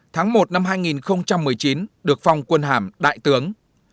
tháng một năm hai nghìn một mươi chín được phong quân hàm đại tướng